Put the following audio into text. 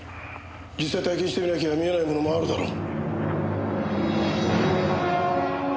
実際体験してみなきゃ見えないものもあるだろう。